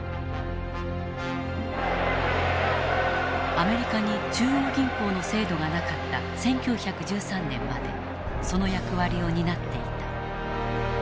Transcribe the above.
アメリカに中央銀行の制度がなかった１９１３年までその役割を担っていた。